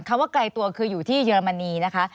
ว่าไกลตัวคืออยู่ที่เยอรมนีนะคะ